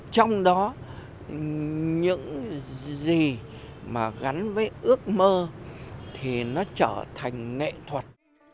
trong đó những gì mà gắn với ước mơ thì nó trở thành nghệ thuật